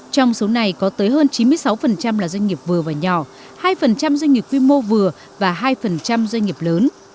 trong số này có tới hơn chín mươi sáu là doanh nghiệp vừa và nhỏ hai doanh nghiệp quy mô vừa và hai doanh nghiệp lớn